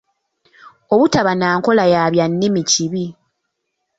Obutaba na nkola ya byannimi kibi.